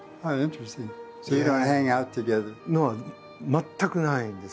全くないんです。